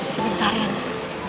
sebentar ya nak